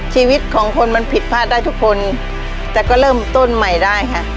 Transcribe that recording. ชีวิตของคนมันผิดพลาดได้ทุกคนแต่ก็เริ่มต้นใหม่ได้ค่ะ